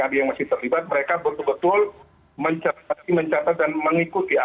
apa yang menjadi catatan dari badan pom untuk bisa diperbaiki pada sekarang